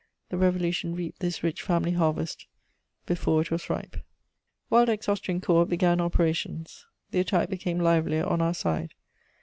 The Revolution reaped this rich family harvest before it was ripe. * Waldeck's Austrian corps began operations. The attack became livelier on our side.